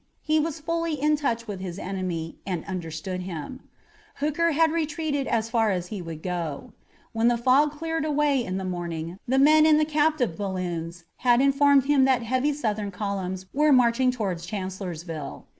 He was fully in touch with his enemy and understood him. Hooker had retreated as far as he would go. When the fog cleared away in the morning the men in the captive balloons had informed him that heavy Southern columns were marching toward Chancellorsville.